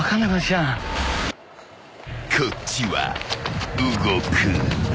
［こっちは動く］